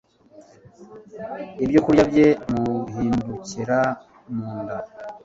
ibyokurya bye bizamuhindukira mu nda